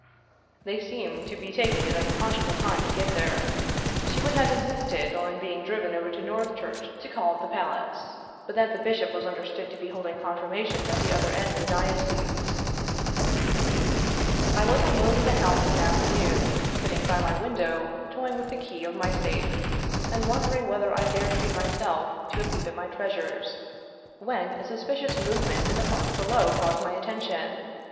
" They seemed to be tak ing an unconscionable time to get there. She would have insisted on being driven over to Northchurch to call at the palace, but that the Ij^shop was understood to be holding confirmations at the other end of the diocese. 274 The Great Valdez Sapphire I was alone in the house one afternoon sitting by my window, toying with the key of my safe, and wondering whether I dare treat myself to a peep at my treasures, when a suspicious movement in the park below caught my atten tion.